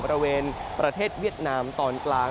บริเวณประเทศเวียดนามตอนกลาง